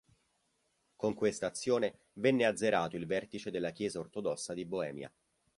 Con questa azione venne azzerato il vertice della Chiesa ortodossa di Boemia.